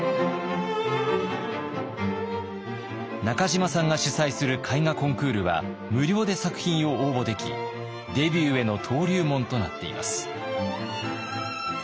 中島さんが主催する絵画コンクールは無料で作品を応募できデビューへの登竜門となっています。